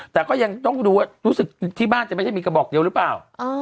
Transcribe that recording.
แต่ก็ยังต้องดูว่ารู้สึกที่บ้านจะไม่ใช่มีกระบอกเดียวหรือเปล่า